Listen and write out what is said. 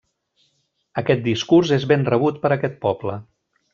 Aquest discurs és ben rebut per aquest poble.